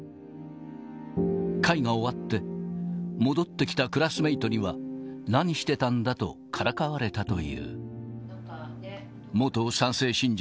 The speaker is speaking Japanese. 会が終わって、戻ってきたクラスメートには、何してたんだとからかわれたという。